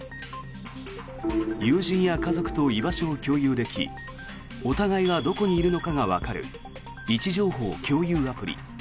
友人や家族と居場所を共有できお互いがどこにいるのかがわかる位置情報共有アプリ。